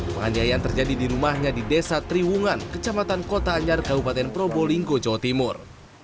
penganiayaan terjadi di rumahnya di desa triwungan kecamatan kota anyar kabupaten probolinggo jawa timur